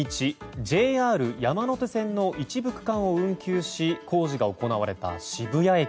ＪＲ山手線の一部区間を運休し工事が行われた渋谷駅。